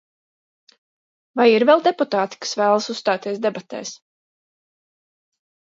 Vai vēl ir deputāti, kas vēlas uzstāties debatēs?